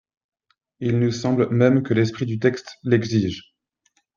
Il nous semble même que l’esprit du texte l’exige.